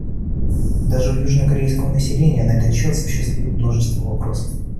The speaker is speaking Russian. Даже у южнокорейского населения на этот счет существует множество вопросов.